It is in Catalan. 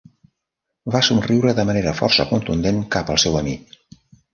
Va somriure de manera força contundent cap al seu amic.